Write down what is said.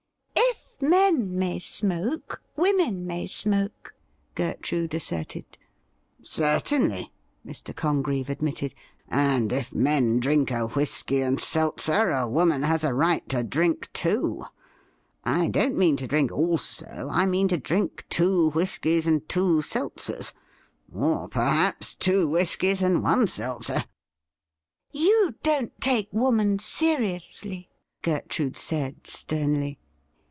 'If men may «moke, women may smoke,' Gertrude asserted. ' Certainly,' Mr. Congreve admitted ;' and if men drink a whisky and seltzer, a woman has a right to drink two — I don't mean to drink also — I mean, to drink two whiskies and two seltzers, or, perhaps, two whiskies and one seltzer.' ' You don't take woman seriously,' Gertrude said sternly.